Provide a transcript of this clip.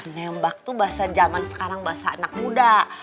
nembak tuh bahasa zaman sekarang bahasa anak muda